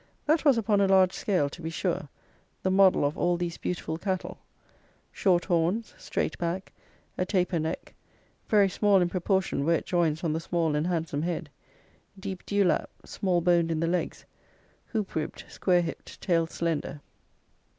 That was upon a large scale, to be sure, the model of all these beautiful cattle: short horns, strait back, a taper neck, very small in proportion where it joins on the small and handsome head, deep dewlap, small boned in the legs, hoop ribbed, square hipped, tail slender.